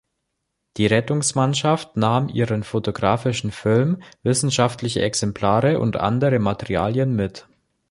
Die Rettungsmannschaft nahm ihren fotografischen Film, wissenschaftliche Exemplare und andere Materialien mit.